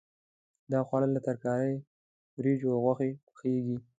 دا خواړه له ترکارۍ، وریجو او غوښې پخېږي.